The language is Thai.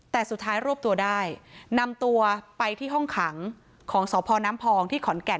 แต่สุดท้ายรวบตัวได้นำตัวไปที่ห้องขังของสพน้ำพองที่ขอนแก่น